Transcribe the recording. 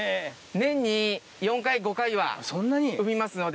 年に４回５回は産みますので。